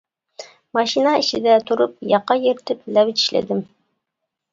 ماشىنا ئىچىدە تۇرۇپ ياقا يىرتىپ، لەۋ چىشلىدىم.